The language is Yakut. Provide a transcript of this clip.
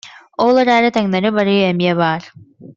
Ол эрээри, таҥнары барыы эмиэ баар